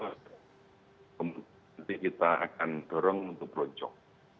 jadi kita akan dorong untuk loncok